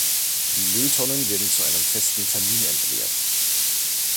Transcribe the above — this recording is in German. Die Mülltonnen werden zu einem festen Termin entleert.